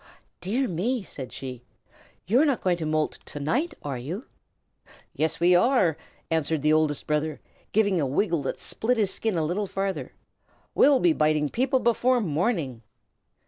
"Dear me!" said she. "You are not going to moult to night, are you?" "Yes, we are," answered the Oldest Brother, giving a wiggle that split his skin a little farther. "We'll be biting people before morning."